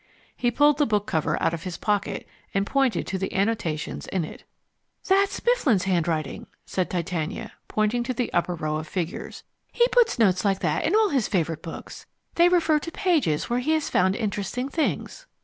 He pulled the book cover out of his pocket, and pointed to the annotations in it. "That's Mifflin's handwriting," said Titania, pointing to the upper row of figures. "He puts notes like that in all his favourite books. They refer to pages where he has found interesting things."